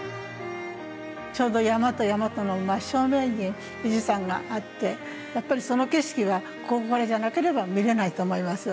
ちょうど山と山との真っ正面に富士山があってやっぱりその景色がここからじゃなければ見れないと思います。